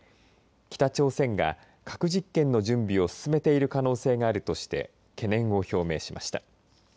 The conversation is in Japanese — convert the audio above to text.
北朝鮮が核実験の準備を進めている可能性があるとして懸念を表明しました。